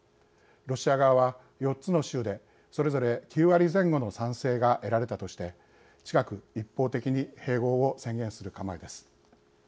ロシア側は４つの州で、それぞれ９割前後の賛成が得られたとして近く一方的に併合を宣言する構えです。